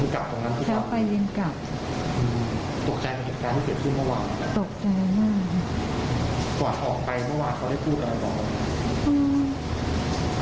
ก่อนออกไปเมื่อวานเขาได้พูดอะไรต่อครับ